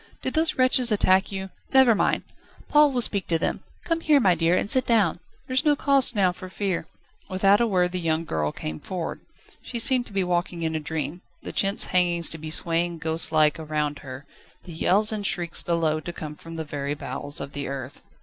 Did those wretches attack you? Never mind. Paul will speak to them. Come here, my dear, and sit down; there's no cause now for fear." Without a word the young girl came forward. She seemed now to be walking in a dream, the chintz hangings to be swaying ghostlike around her, the yells and shrieks below to come from the very bowels of the earth.